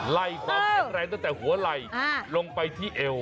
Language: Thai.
ความแข็งแรงตั้งแต่หัวไหล่ลงไปที่เอว